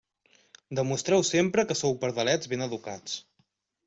Demostreu sempre que sou pardalets ben educats.